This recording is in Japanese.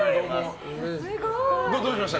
どうしました？